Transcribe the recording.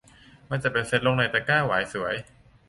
มาจัดเป็นเซตลงในตะกร้าหวายสวย